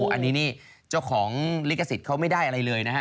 อันนี้นี่เจ้าของลิขสิทธิ์เขาไม่ได้อะไรเลยนะฮะ